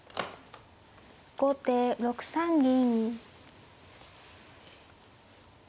後手６三銀。